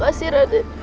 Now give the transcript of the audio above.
terima kasih raden